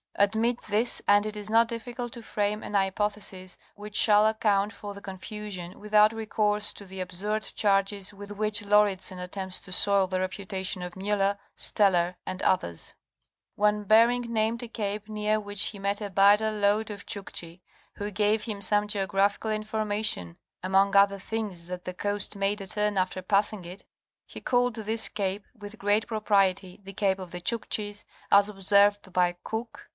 Admit this and it is not difficult to frame an hypothesis which shall account for the confusion, without recourse to the absurd charges with which Laurid sen attempts to soil the reputation of Muller, Steller and others. When Bering named a cape near which he met a baidar load of Chukchi who gave him some geographical information (among other things that the coast made a turn after passing it) he called this cape with great propriety the Cape of the Chukchis, as observed by Cook (ii, p.